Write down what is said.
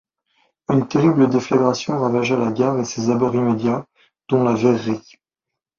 Une terrible déflagration ravagea la gare et ses abords immédiats dont la verrerie.